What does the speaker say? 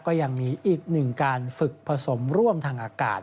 ก็ยังมีอีกหนึ่งการฝึกผสมร่วมทางอากาศ